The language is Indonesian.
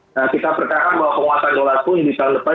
nah kita percaya bahwa penguatan dolar pun di tahun depan